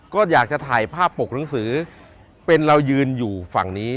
ก็อยากจะถ่ายภาพปกหนังสือเป็นเรายืนอยู่ฝั่งนี้